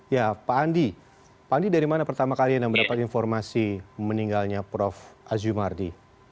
ya pak andi pak andi dari mana pertama kali anda mendapat informasi meninggalnya prof aziumardi